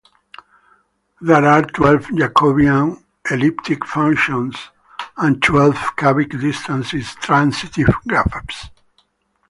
There are twelve Jacobian elliptic functions and twelve cubic distance-transitive graphs.